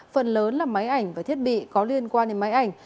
phần lớn là máy ảnh và thiết bị có liên quan đến máy ảnh